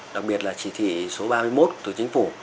đặc biệt là chỉ thị số ba mươi một từ chính phủ